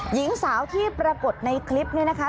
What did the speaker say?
หญิงสาวที่ปรากฏในคลิปนี้นะคะ